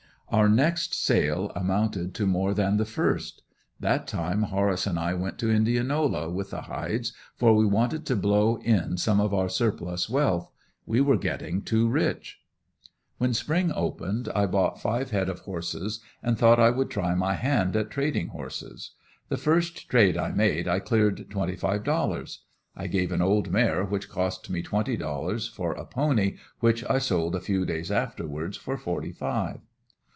Our next sale amounted to more than the first. That time Horace and I went to Indianola with the hides for we wanted to blow in some of our surplus wealth; we were getting too rich. When spring opened I bought five head of horses and thought I would try my hand at trading horses. The first trade I made, I cleared twenty five dollars. I gave an old mare which cost me twenty dollars, for a pony which I sold a few days afterwards for forty five.